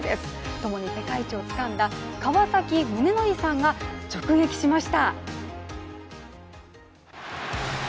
ともに世界一をつかんだ川崎宗則さんが直撃しました。